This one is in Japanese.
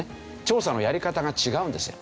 調査のやり方が違うんですよ。